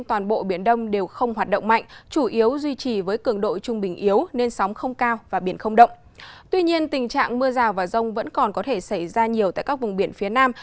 tuy nhiên tình trạng mưa rào và rông vẫn còn có thể xảy ra nhiều tại các vùng biển phía nam